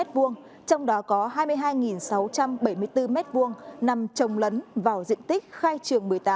trong đó có hai mươi hai sáu trăm bảy mươi bốn m hai nằm trồng lấn vào diện tích khai trường một mươi tám